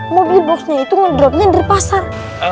mobil boxnya itu ngedropnya dari pasar